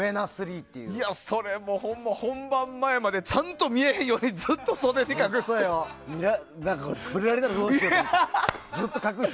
それも、ほんま本番前までちゃんと見えへんようにずっと袖に隠してて。